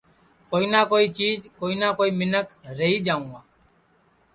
کوئی نہ کوئی چیج کوئی نہ کوئی منکھ رہی جاؤں گا